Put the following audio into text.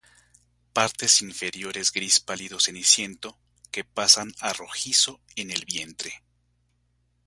Partes inferiores gris pálido ceniciento, que pasan a rojizo en el vientre.